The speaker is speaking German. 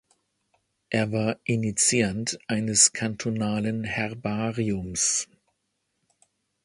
Er war Initiant eines kantonalen Herbariums.